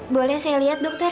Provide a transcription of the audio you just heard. boleh saya lihat dokter